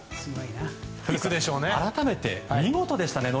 改めて見事でしたね。